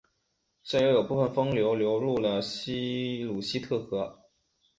下游有部分分流流入鲁希特河。